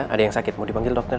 ada yang sakit mau dipanggil dokter